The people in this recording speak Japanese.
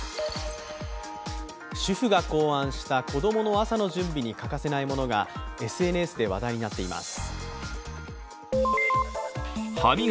主婦が考案した子供の朝の準備に欠かせないものがＳＮＳで話題になっています。